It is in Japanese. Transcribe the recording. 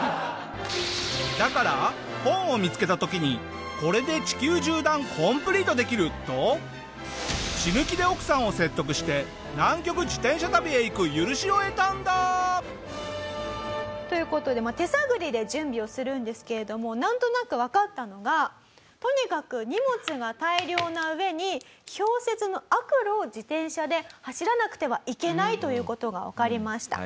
だから本を見つけた時に「これで地球縦断コンプリートできる！」と死ぬ気で奥さんを説得して南極自転車旅へ行く許しを得たんだ！という事で手探りで準備をするんですけれどもなんとなくわかったのがとにかく荷物が大量な上に氷雪の悪路を自転車で走らなくてはいけないという事がわかりました。